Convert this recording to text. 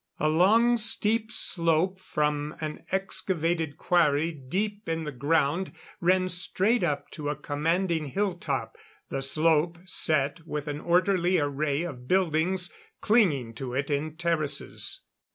A long steep slope from an excavated quarry deep in the ground, ran straight up to a commanding hilltop the slope set with an orderly array of buildings clinging to it in terraces.